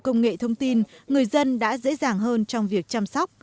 công nghệ thông tin người dân đã dễ dàng hơn trong việc chăm sóc